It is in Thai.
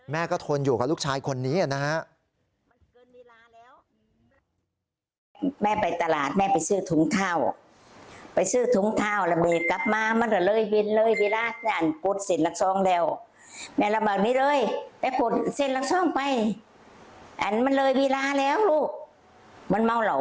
แม่ก็ทนอยู่กับลูกชายคนนี้นะฮะ